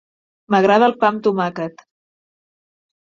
M'agrada el pa amb tomàquet.